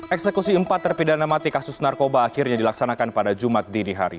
eksekusi empat terpidana mati kasus narkoba akhirnya dilaksanakan pada jumat dini hari